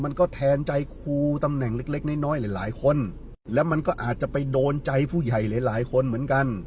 มันก็แทนใจครูตำแหน่งเล็กน้อยหลายคนแล้วมันก็อาจจะไปโดนใจผู้ใหญ่หลายคนเหมือนกัน